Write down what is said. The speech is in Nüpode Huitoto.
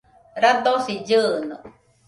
radosi llɨɨno